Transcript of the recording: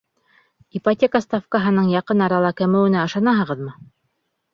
Ипотека ставкаһының яҡын арала кәмеүенә ышанаһығыҙмы?